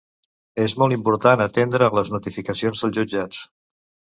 És molt important atendre a les notificacions dels jutjats.